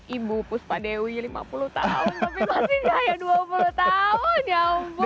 ibu puspa dewi lima puluh tahun tapi masih gaya dua puluh tahun ya ampun